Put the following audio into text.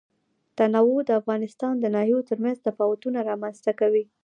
تنوع د افغانستان د ناحیو ترمنځ تفاوتونه رامنځ ته کوي.